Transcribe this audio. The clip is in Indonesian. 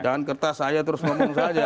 jangan kertas saya terus ngomong saja